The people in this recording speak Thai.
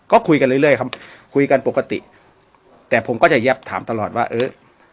ก็คุยกันเรื่อยครับคุยกันปกติแต่ผมก็จะแยบถามตลอดว่าเออ